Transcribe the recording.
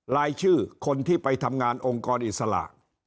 รายชื่อคนที่ไปทำงานองค์กรอิสระ